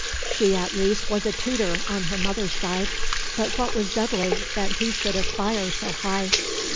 She at least was a Tudor on her mother's side; but what was Dudley, that he should aspire so high?